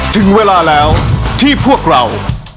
ถึงเวลาแล้วที่พวกเรา